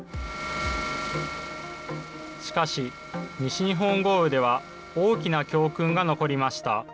しかし、西日本豪雨では、大きな教訓が残りました。